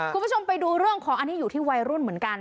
คุณผู้ชมไปดูเรื่องของอันนี้อยู่ที่วัยรุ่นเหมือนกัน